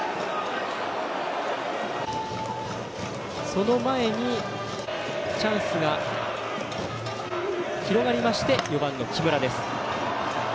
その前にチャンスが広がりまして４番の木村です。